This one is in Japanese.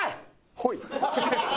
ほい？